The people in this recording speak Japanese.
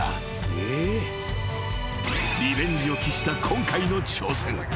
［リベンジを期した今回の挑戦。